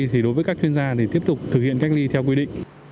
thì đối với các chuyên gia thì tiếp tục thực hiện cách ly theo quy định